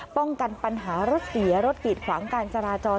ป้องกันปัญหารถเสียรถกีดขวางการจราจร